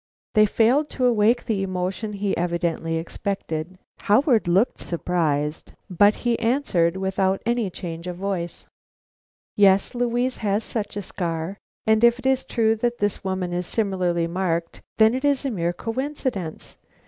They failed to awake the emotion he evidently expected. Howard looked surprised, but answered without any change of voice: "Yes, Louise had such a scar; and if it is true that this woman is similarly marked, then it is a mere coincidence.